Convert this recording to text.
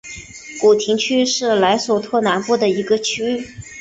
古廷区是莱索托南部的一个区。